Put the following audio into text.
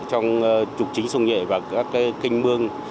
trong trục chính sông nhuệ và các kênh mương